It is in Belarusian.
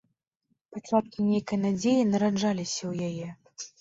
Пачаткі нейкай надзеі нараджаліся ў яе.